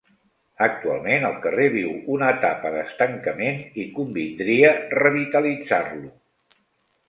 Actualment el carrer viu una etapa d'estancament i convindria revitalitzar-lo.